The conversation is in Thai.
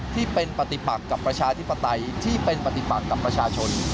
ที่เป็นปฏิปักกับประชาธิปไตยที่เป็นปฏิบัติกับประชาชน